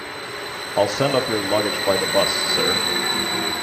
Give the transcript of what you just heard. I'll send up your luggage by the bus, sir.